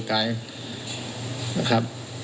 แต่เจ้าตัวก็ไม่ได้รับในส่วนนั้นหรอกนะครับ